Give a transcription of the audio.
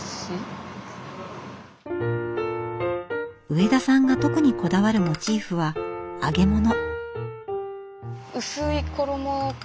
植田さんが特にこだわるモチーフは揚げ物。